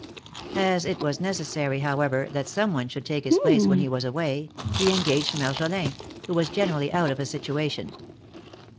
As it was necessary, however, that some one should take his place when he was away, he engaged Marjolin, who was generally out of a situation.